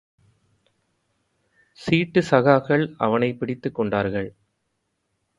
சீட்டுச் சகாகள் அவனைப் பிடித்துக் கொண்டார்கள்.